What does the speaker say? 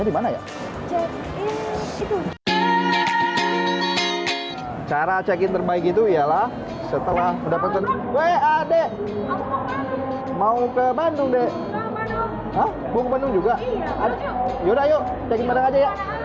yaudah yuk check in bandung aja ya